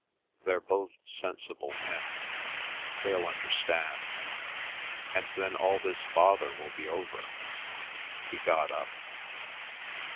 They're both sensible men; they'll understand. And then all this bother will be over." He got up.